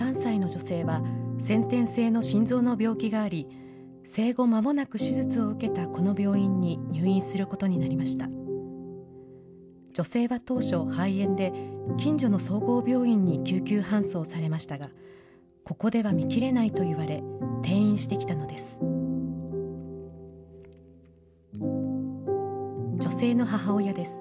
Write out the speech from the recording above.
女性は当初、肺炎で近所の総合病院に救急搬送されましたが、ここでは診きれないといわれ、転院してきたのです。